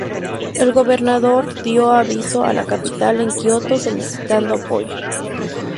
El gobernador dio aviso a la capital en Kioto solicitando apoyo.